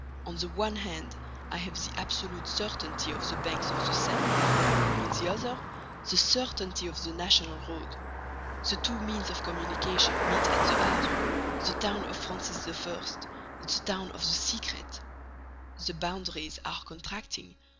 On the one hand, I have the absolute certainty of the banks of the Seine; on the other, the certainty of the National Road. The two means of communication meet at the Havre, the town of Francis I., the town of the secret. The boundaries are contracting.